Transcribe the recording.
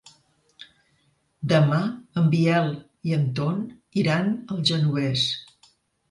Demà en Biel i en Ton iran al Genovés.